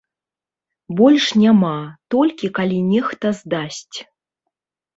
Больш няма, толькі калі нехта здасць.